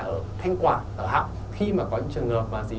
ở thanh quả ở hạng khi mà có những trường hợp mà gì